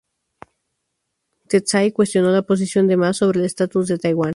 Tsai cuestionó la posición de Ma sobre el estatus de Taiwán.